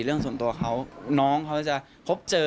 เรื่องส่วนตัวเขาน้องเขาจะพบเจอ